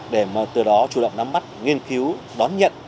để mà từ đó chủ động nắm bắt nghiên cứu đón nhận